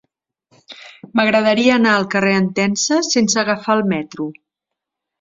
M'agradaria anar al carrer d'Entença sense agafar el metro.